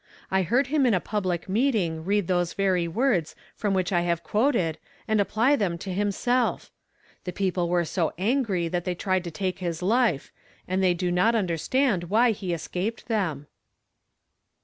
I heard him in a public meeting read those very words from which I have quoted aud apply them to himself! The people were so angry that they tried to take his life, and they do not understand why he escaped them."